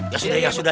ya sudah ya sudah